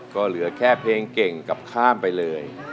ก็เหลือแค่เพลงเก่งกับข้ามไปเลย